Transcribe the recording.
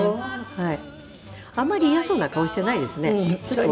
はい。